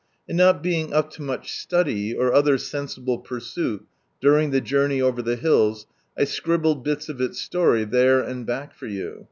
And not being up to much stud/, or other sensible pursuit, during the journey over the hiils, I scribbled bits of its slory there and back for you.